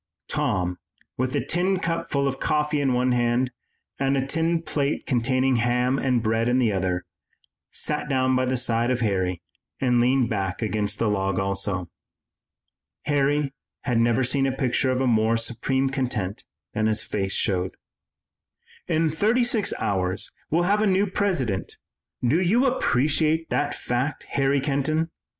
Tom, with a tin cup full of coffee in one hand and a tin plate containing ham and bread in the other, sat down by the side of Harry and leaned back against the log also. Harry had never seen a picture of more supreme content than his face showed. "In thirty six hours we'll have a new President, do you appreciate that fact, Harry Kenton?"